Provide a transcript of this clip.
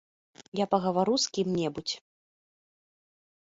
Я пагавару з кім-небудзь.